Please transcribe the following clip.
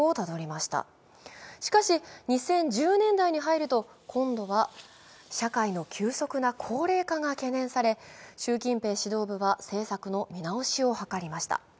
しかし、２０１０年代に入ると、今度は社会の急速な高齢化が懸念され、習近平指導部は政策の見直しを図りました。